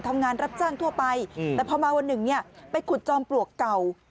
ทำงานรับจ้างทั่วไปแต่พอมาวันหนึ่งเนี่ยไปขุดจอมปลวกเก่า